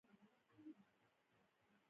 خولۍ د درنښت، صداقت او تقوا نښه ده.